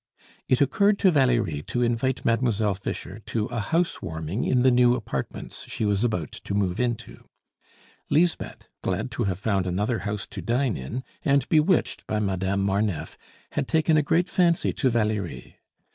It occurred to Valerie to invite Mademoiselle Fischer to a house warming in the new apartments she was about to move into. Lisbeth, glad to have found another house to dine in, and bewitched by Madame Marneffe, had taken a great fancy to Valerie.